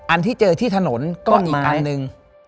อันที่เจอที่ถนนก็อีกอันหนึ่ง